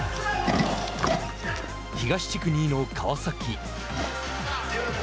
東地区２位の川崎。